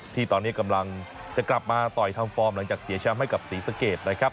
ที่ตอนนี้กำลังจะกลับมาต่อยทำฟอร์มหลังจากเสียแชมป์ให้กับศรีสะเกดนะครับ